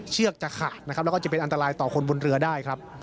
เชือกจะขาดนะครับแล้วก็จะเป็นอันตรายต่อคนบนเรือได้ครับ